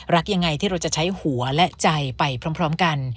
รักยังไงที่เราจะใช้หัวและใจไปพร้อมกัน